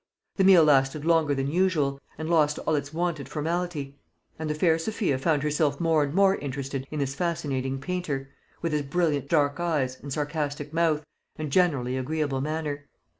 The meal lasted longer than usual, and lost all its wonted formality; and the fair Sophia found herself more and more interested in this fascinating painter, with his brilliant dark eyes, and sarcastic mouth, and generally agreeable manner.